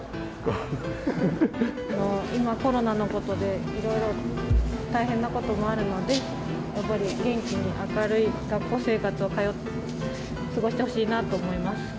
今、コロナのことで、いろいろ大変なこともあるので、やっぱり元気に明るい学校生活を過ごしてほしいなと思います。